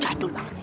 jadul banget sih